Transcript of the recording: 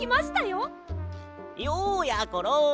ようやころ。